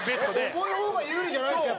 重い方が有利じゃないんですか？